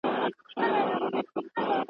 فکر مه کوه، چي دا وړۍ دي شړۍ سي.